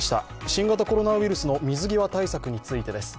新型コロナウイルスの水際対策についてです。